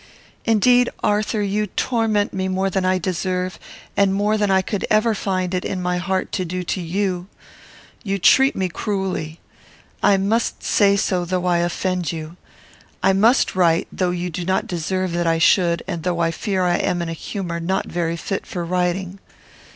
Indeed, Arthur, you torment me more than I deserve, and more than I could ever find it in my heart to do you. You treat me cruelly. I must say so, though I offend you. I must write, though you do not deserve that I should, and though I fear I am in a humour not very fit for writing.